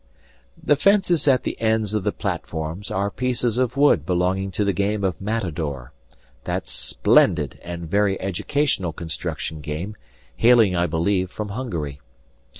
The fences at the ends of the platforms are pieces of wood belonging to the game of Matador that splendid and very educational construction game, hailing, I believe, from Hungary.